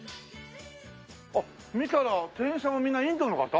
あっ見たら店員さんがみんなインドの方？